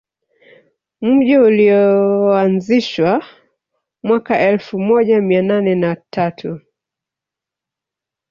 Mji ulioanzishwa mwaka elfu moja mia nane na tatu